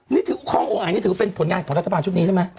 นี่ถือคลององค์อ่างนี่ถือเป็นผลงานของรัฐบาลชุดนี้ใช่ไหม